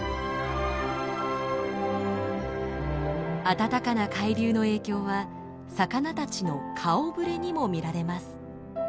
暖かな海流の影響は魚たちの顔ぶれにも見られます。